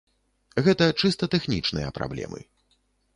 Гэта чыста тэхнічныя праблемы.